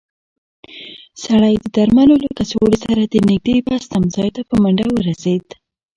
سړی د درملو له کڅوړې سره د نږدې بس تمځای ته په منډه ورسېد.